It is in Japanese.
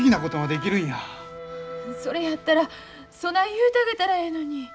それやったらそない言うてあげたらええのに。